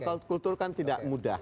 jadi itu kan tidak mudah